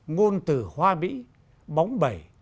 ngôn từ hoa bỉ bóng bẩy